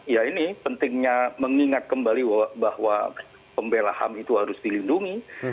ya ini pentingnya mengingat kembali bahwa pembelahan itu harus dilindungi